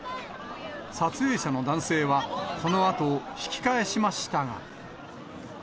撮影者の男性は、このあと引き返しましたが。